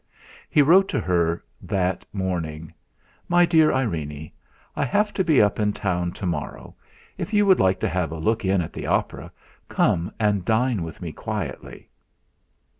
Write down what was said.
He wrote to her that morning: "MY DEAR IRENE, I have to be up in town to morrow. If you would like to have a look in at the opera, come and dine with me quietly